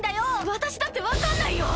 私だって分かんないよ！